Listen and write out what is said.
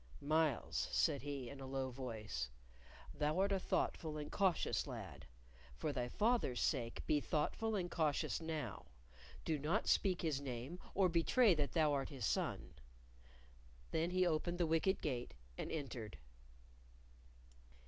"Myles," said he, in a low voice, "thou art a thoughtful and cautious lad; for thy father's sake be thoughtful and cautious now. Do not speak his name or betray that thou art his son." Then he opened the wicket gate and entered.